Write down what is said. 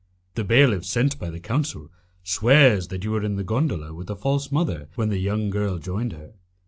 The bailiff sent by the Council swears that you were in the gondola with the false mother when the young girl joined her.